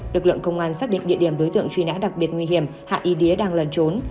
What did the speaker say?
lực lượng công an xác định địa điểm đối tượng truy nã đặc biệt nguy hiểm hạ y đía đang lần trốn